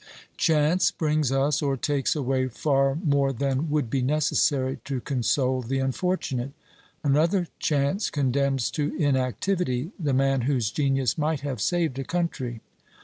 Chance brings us or takes away far more than would be necessary to console the unfortunate. Another chance condemns to inactivity the man whose genius might have saved a country.